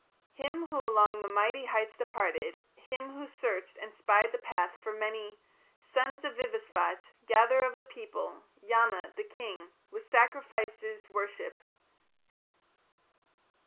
Him who along the mighty heights departed, Him who searched and spied the path for many, Son of Vivasvat, gatherer of the people, Yama, the King, with sacrifices worship.